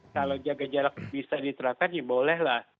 kalau jaga jarak bisa diterapkan ya bolehlah